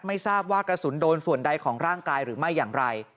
ไม่ทราบว่ากระสุนโดนส่วนใดของร่างกายหรือไม่อย่างไร